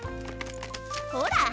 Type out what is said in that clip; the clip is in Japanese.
ほら。